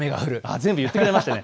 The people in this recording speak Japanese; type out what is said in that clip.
全部言ってくれましたね。